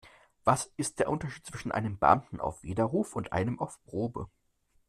Was ist der Unterschied zwischen einem Beamten auf Widerruf und einem auf Probe?